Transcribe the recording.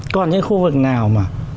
còn những khu vực nào mà